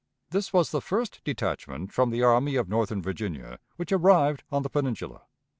This was the first detachment from the Army of Northern Virginia which arrived on the Peninsula.